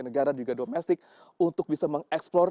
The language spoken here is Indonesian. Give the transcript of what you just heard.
negara juga domestik untuk bisa mengeksplor